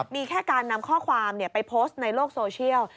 มีแค่การนำข้อความไปโพสต์ในโลกโซเชียล